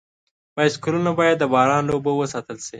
بایسکلونه باید د باران له اوبو وساتل شي.